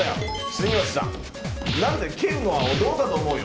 住吉さん何で蹴るのはどうかと思うよ。